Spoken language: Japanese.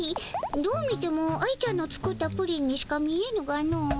どう見ても愛ちゃんの作ったプリンにしか見えぬがの。